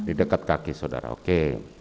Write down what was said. di dekat kaki saudara oke